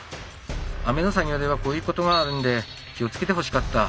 雨の作業ではこういうことがあるんで気をつけてほしかった。